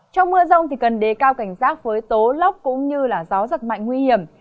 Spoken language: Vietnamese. trong mưa rông thì cần đề cao cảnh giác với tố lốc cũng như gió giật mạnh nguy hiểm